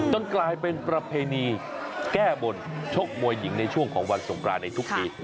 กลายเป็นประเพณีแก้บนชกมวยหญิงในช่วงของวันสงกรานในทุกปี